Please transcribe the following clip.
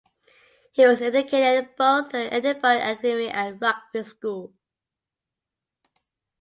He was educated at both the Edinburgh Academy and Rugby School.